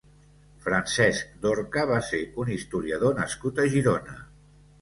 Francesc Dorca va ser un historiador nascut a Girona.